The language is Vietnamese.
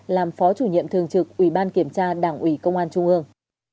làm phó chủ nhiệm thường trực ủy ban kiểm tra đảng ủy công an trung ương